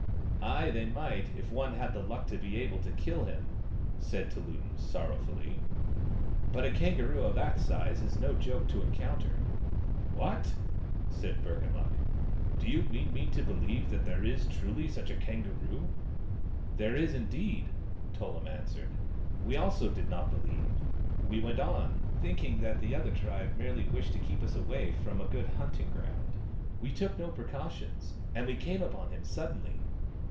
" Ay, they might, if one had the luck to be able to kill him," said Tullum sorrowfully. " But a THE STONE AXE OF BURKAMUKK 15 kangaroo of that size is no joke to encounter." " What !" said Burkamukk. " Do you mean me to beheve that there is truly such a kangaroo ?"" There is indeed," Tullum answered. " We also did not believe. We went on, thinking that the other tribe merely wished to keep us away from a good hunting ground. We took no precautions, and we came upon him suddenly."